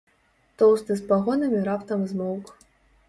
Тоўсты з пагонамі раптам змоўк.